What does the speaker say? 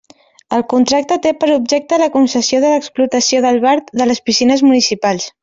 El contracte té per objecte la concessió de l'explotació del bar de les piscines municipals.